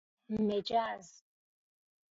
مجز